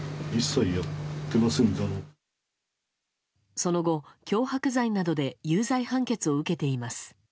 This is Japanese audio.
その後、脅迫罪などで有罪判決を受けています。